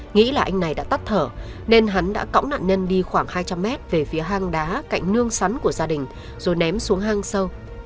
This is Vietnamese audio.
nghĩ là anh này đã tắt thở nên hắn đã cõng nạn nhân đi khoảng hai trăm linh mét về phía hang đá cạnh nương sắn của gia đình rồi ném xuống hang sâu